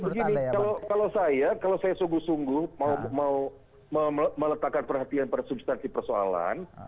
begini kalau saya kalau saya sungguh sungguh mau meletakkan perhatian pada substansi persoalan